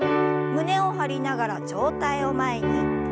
胸を張りながら上体を前に。